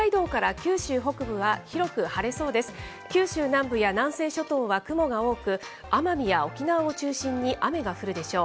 九州南部や南西諸島は雲が多く、奄美や沖縄を中心に雨が降るでしょう。